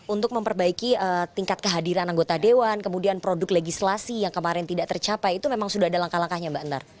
untuk memperbaiki tingkat kehadiran anggota dewan kemudian produk legislasi yang kemarin tidak tercapai itu memang sudah ada langkah langkahnya mbak endar